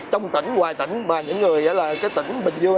trong tỉnh ngoài tỉnh và những người là tỉnh bình dương